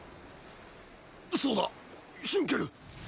そうだヒュンケル。